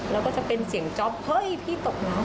แล้วก็จะเป็นเสียงจ๊อปเฮ้ยพี่ตกน้ำ